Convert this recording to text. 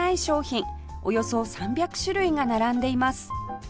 およそ３００種類が並んでいます